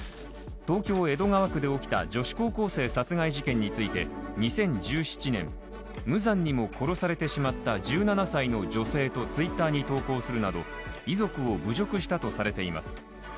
東京・江戸川区で起きた女子高校生殺害事件について２０１７年、無残にも殺されてしまった１７歳の女性とＴｗｉｔｔｅｒに投稿するなど遺族を侮辱したとされています。